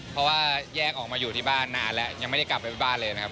เพราะว่าแยกออกมาอยู่ที่บ้านนานแล้วยังไม่ได้กลับไปที่บ้านเลยนะครับ